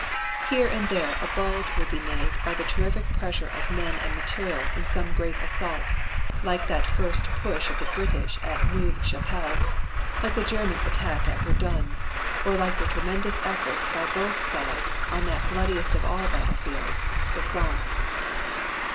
Here and there a bulge would be made by the terrific pressure of men and material in some great assault like that first push of the British at Neuve Chapelle, like the German attack at Verdun or like the tremendous efforts by both sides on that bloodiest of all battlefields, the Somme.